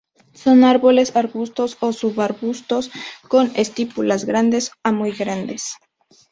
Son árboles, arbustos o subarbustos; con estípulas grandes a muy grandes.